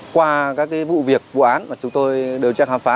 qua các vụ việc vụ án mà chúng tôi đều chắc khám phá